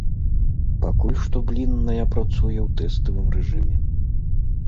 Пакуль што блінная працуе ў тэставым рэжыме.